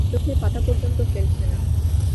চোখের পাতা পর্যন্ত ফেলছে না।